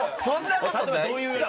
そんなことない！